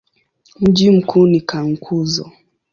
Mji mkuu ni Cankuzo.